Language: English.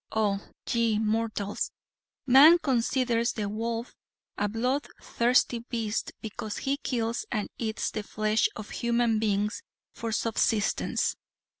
Oh, ye mortals! Man considers the wolf a blood thirsty beast because he kills and eats the flesh of human beings for subsistence.